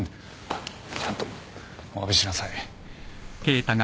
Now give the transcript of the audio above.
ちゃんとおわびしなさい。